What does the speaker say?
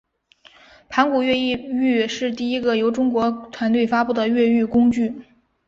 盘古越狱是第一个由中国团队发布的越狱工具。